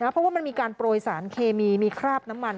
เพราะว่ามันมีการโปรยสารเคมีมีคราบน้ำมัน